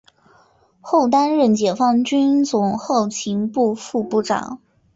后担任解放军总后勤部副部长。